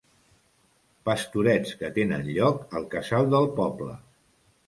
Pastorets que tenen lloc al casal del poble.